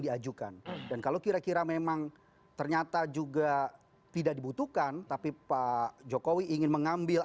diajukan dan kalau kira kira memang ternyata juga tidak dibutuhkan tapi pak jokowi ingin mengambil